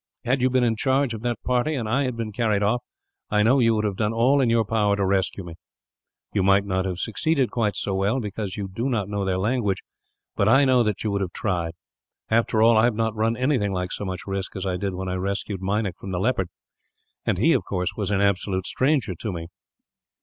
Had you been in charge of that party, and I had been carried off, I know you would have done all in your power to rescue me. You might not have succeeded quite so well, because you do not know their language; but I know that you would have tried. After all, I have not run anything like so much risk as I did when I rescued Meinik from the leopard. And he, of course, was an absolute stranger to me.